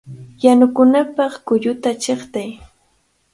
¡Yanukunapaq kulluta chiqtay!